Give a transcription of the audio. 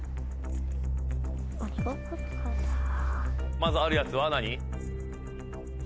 まずあるやつは何？